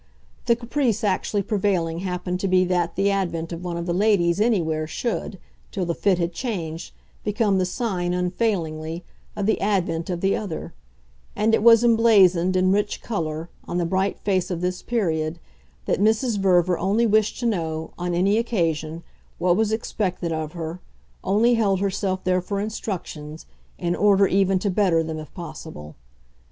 The caprice actually prevailing happened to be that the advent of one of the ladies anywhere should, till the fit had changed, become the sign, unfailingly, of the advent of the other; and it was emblazoned, in rich colour, on the bright face of this period, that Mrs. Verver only wished to know, on any occasion, what was expected of her, only held herself there for instructions, in order even to better them if possible.